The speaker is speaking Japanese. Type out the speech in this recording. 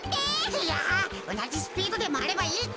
いやおなじスピードでまわればいいってか。